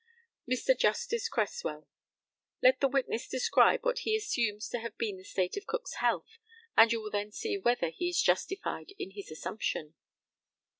Mr. Justice CRESSWELL: Let the witness describe what he assumes to have been the state of Cook's health, and you will then see whether he is justified in his assumption.